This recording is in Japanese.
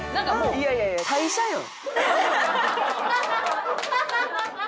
いやいやいや退社やん。